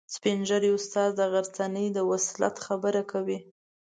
سپین ږیری استاد د غرڅنۍ د وصلت خبره کوي.